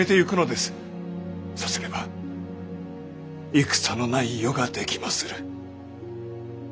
さすれば戦のない世が出来まする。